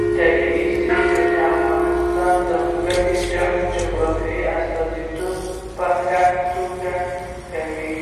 طبیعي زیرمې د افغانستان د ځانګړي ډول جغرافیې استازیتوب په ښه توګه کوي.